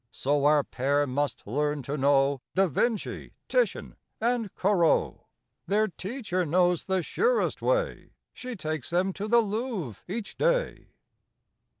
So our pair must learn to know Da Vinci, Titian and Corot. Their teacher knows the surest way: She takes them to the Louvre each day.